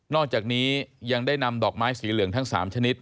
อกจากนี้ยังได้นำดอกไม้สีเหลืองทั้ง๓ชนิด